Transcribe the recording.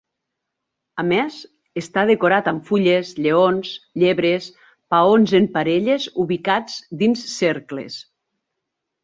A més, està decorat amb fulles, lleons, llebres, paons en parelles ubicats dins cercles.